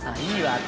◆いいわ、私。